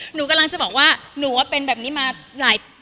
หนูกำลังจะบอกว่าหนูว่าเป็นแบบนี้มาหลาย